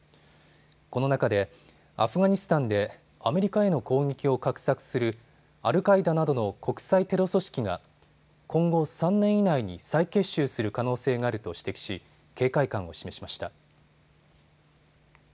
この中でアフガニスタンでアメリカへの攻撃を画策するアルカイダなどの国際テロ組織が今後３年以内に再結集する可能性があると指摘し警戒感を示しました。